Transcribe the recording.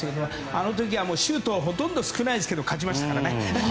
あの時はシュートはほとんど少ないですけど勝ちましたからね。